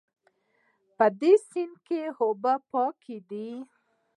په دې سیند کې اوبه پاکې دي